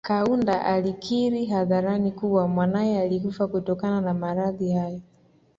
Kaunda alikiri hadharani kuwa mwanaye alikufa kutokana na maradhi hayo